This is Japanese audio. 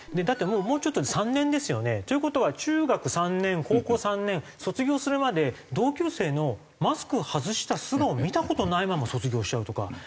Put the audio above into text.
だってもうちょっとで３年ですよね。という事は中学３年高校３年卒業するまで同級生のマスク外した素顔見た事ないまま卒業しちゃうとか。